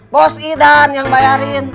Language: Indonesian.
bos idan yang bayarin